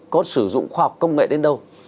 có sử dụng khoa học công nghệ đến đâu